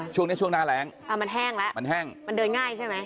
ช่วงเนี้ยช่วงหน้าแรงอ่ามันแห้งแล้วมันแห้งมันเดินง่ายใช่ไหม